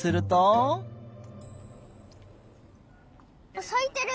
あっさいてる！